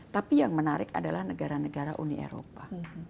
tapi yang menarik adalah negara negara uni eropa